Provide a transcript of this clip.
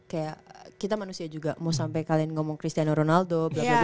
kayak kita manusia juga mau sampai kalian ngomong cristiano ronaldo